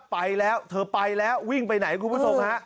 ไปแล้วเธอไปแล้ววิ่งไปไหนคุณผู้ชมฮะ